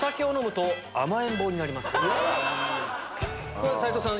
これは斎藤さん